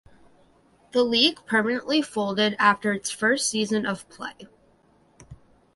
The league permanently folded after its first season of play.